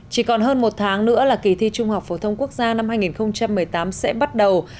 chỉ còn hơn một tháng nữa là kỳ thi trung học phổ thông quốc gia năm hai nghìn một mươi tám sẽ bắt đầu